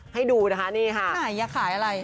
ให้ดูนะคะนี่ค่ะอยากขายอะไร